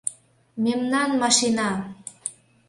Мемнан машина!